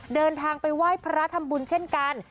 เดินทางไปไหว้พระทำบุญเช่นกัน